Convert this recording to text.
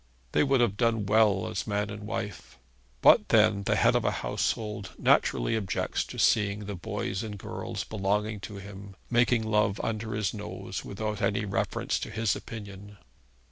They would have done well as man and wife. But then the head of a household naturally objects to seeing the boys and girls belonging to him making love under his nose without any reference to his opinion.